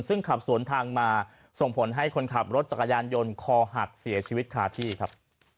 ซึ่งขับสวนทางมาส่งผลให้คนขับรถจักรยานยนต์คอหักเสียชีวิตคาที่ครับ